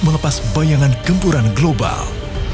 melepas bayangan gempuran global